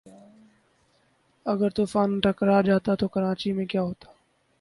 اگر طوفان ٹکرا جاتا تو کراچی میں کیا ہوتا